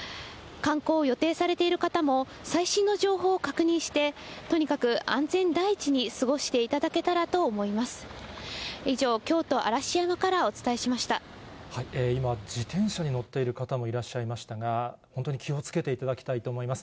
観光を予定されている方も、最新の情報を確認して、とにかく安全第一に過ごしていただけたらと思います。